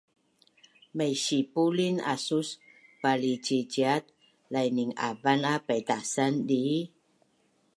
Maisipulin asus palciciat laining’avan a paitasan dii?